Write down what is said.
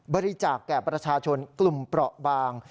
บริจาคแก่ประชาชนกลุ่มเปราะบาง